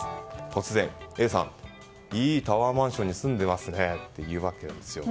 突然、Ａさんいいタワーマンションに住んでますねと言うわけですよ。